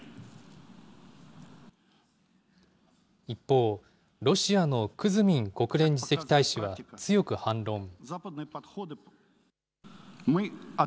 一方、ロシアのクズミン国連次席大使は強く反論。